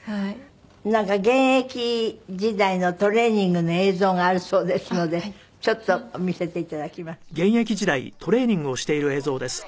なんか現役時代のトレーニングの映像があるそうですのでちょっと見せて頂きます。